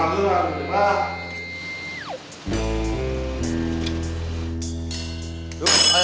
susah eh heran mobilnya